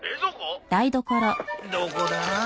どこだ？